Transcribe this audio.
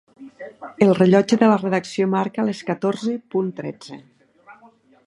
El rellotge de la redacció marca les catorze.tretze.